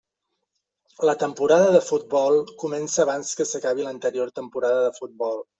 La temporada de futbol comença abans que s'acabi l'anterior temporada de futbol.